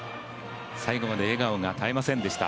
最後まで笑顔が絶えませんでした。